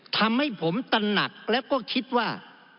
ทำให้ผมตระหนักแล้วก็คิดว่า